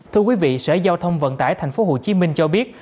thưa quý vị sở giao thông vận tải tp hcm cho biết